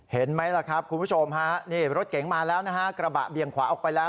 เห็นไหมล่ะครับคุณผู้ชมฮะนี่รถเก๋งมาแล้วนะฮะกระบะเบียงขวาออกไปแล้ว